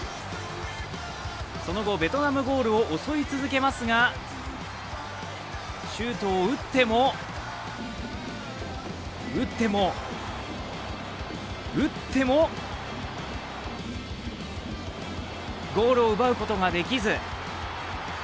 その後、ベトナムゴールを襲い続けますがシュートを打っても打っても、打ってもゴールを奪うことができず。